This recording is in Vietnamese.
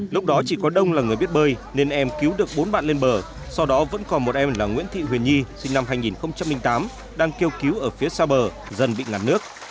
lúc đó chỉ có đông là người biết bơi nên em cứu được bốn bạn lên bờ sau đó vẫn còn một em là nguyễn thị huyền nhi sinh năm hai nghìn tám đang kêu cứu ở phía sau bờ dần bị ngạn nước